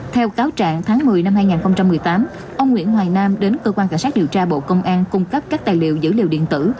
theo cáo trạng tháng một mươi năm hai nghìn một mươi tám ông nguyễn hoài nam đến cơ quan cảnh sát điều tra bộ công an cung cấp các tài liệu dữ liệu điện tử